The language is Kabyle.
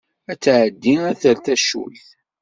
Ad tɛeddi ad terr tacuyt.